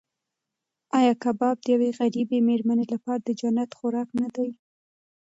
ایا کباب د یوې غریبې مېرمنې لپاره د جنت خوراک نه دی؟